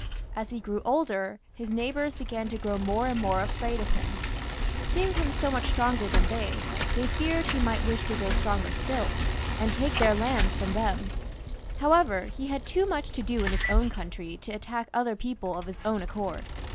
As he grew older, his neighbours began to grow more and more afraid of him. Seeing him so much stronger than they, they feared he might wish to grow stronger still, and take their lands from them^ However, he had too much to do in his own country to attack other people of his own accord.